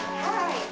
はい。